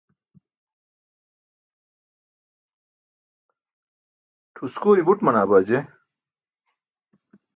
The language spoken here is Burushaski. ṭʰuskuri but manaa baa je